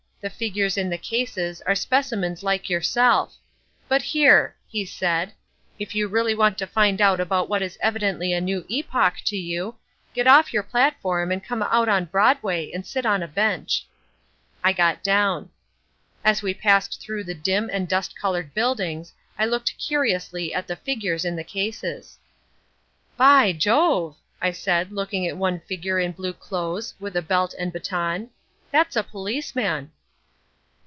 The figures in the cases are specimens like yourself. But here," he said, "if you want really to find out about what is evidently a new epoch to you, get off your platform and come out on Broadway and sit on a bench." I got down. As we passed through the dim and dust covered buildings I looked curiously at the figures in the cases. "By Jove!" I said looking at one figure in blue clothes with a belt and baton, "that's a policeman!"